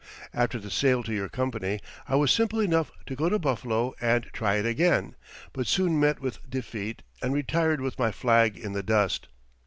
After the sale to your company I was simple enough to go to Buffalo and try it again, but soon met with defeat and retired with my flag in the dust.